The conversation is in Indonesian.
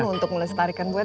untuk melestarikan budaya